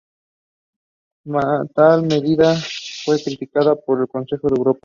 Tal medida fue criticada por el Consejo de Europa.